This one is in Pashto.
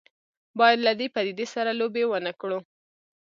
باید له دې پدیدې سره لوبې ونه کړو.